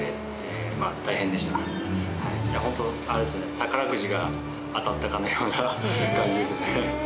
宝くじが当たったかのような感じですね。